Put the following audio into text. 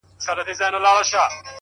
هغه نجلۍ سندره نه غواړي” سندري غواړي”